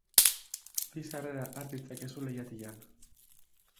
Bi sarrera har ditzakezu leihatilan.